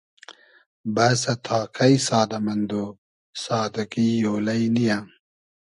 بئسۂ تا کݷ سادۂ مئندۉ ، سادگی اۉلݷ نییۂ